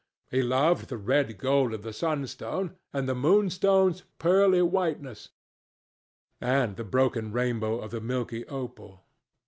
He loved the red gold of the sunstone, and the moonstone's pearly whiteness, and the broken rainbow of the milky opal.